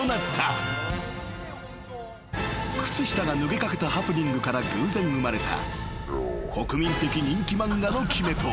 ［靴下が脱げかけたハプニングから偶然生まれた国民的人気漫画の決めポーズ］